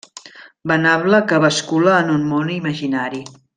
Venable que bascula en un món imaginari.